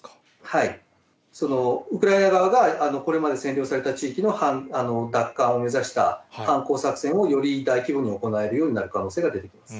ウクライナ側がこれまで占領された地域の奪還を目指したかんこう作戦をより大規模に行えるようになる可能性がある。